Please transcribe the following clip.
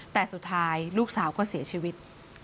แต่สุดท้ายลูกสาวก็เสียชีวิต